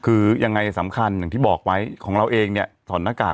คือยังไงสำคัญอย่างที่บอกไว้ของเราเองเนี่ยถอดหน้ากาก